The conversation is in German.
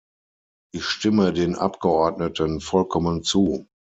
Ich stimme den Abgeordneten vollkommen zu.